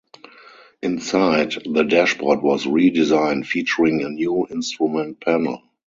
Inside, the dashboard was redesigned, featuring a new instrument panel.